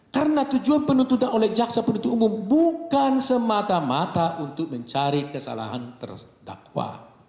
karena tujuan penuntutan oleh saksi penuntut umum bukan semata mata untuk mencari kesalahan terdakwa